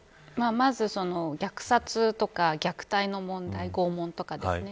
まず虐殺や虐待の問題拷問とかですね。